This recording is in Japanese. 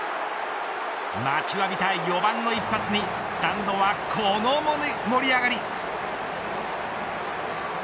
待ちわびた４番の一発にスタンドはこの盛り上がり。